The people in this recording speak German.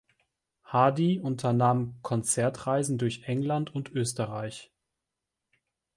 Hardy unternahm Konzertreisen durch England und Österreich.